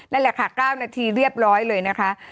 นั่นแหละค่ะ๙นาทีเรียบร้อยเลยนะคะ